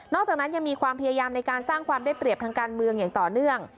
จากนั้นยังมีความพยายามในการสร้างความได้เปรียบทางการเมืองอย่างต่อเนื่อง